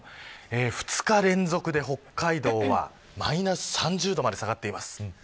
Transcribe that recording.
２日連続で北海道はマイナス３０度まで下がっています。